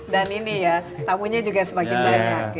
dan ini ya tamunya juga semakin banyak ya